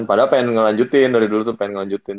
padahal pengen ngelanjutin dari dulu tuh pengen ngelanjutin